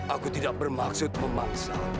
aku tidak bermaksud memaksa